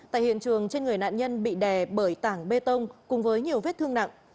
tại hiện trường trên người nạn nhân bị đè bởi tảng bê tông cùng với nhiều vết thương nặng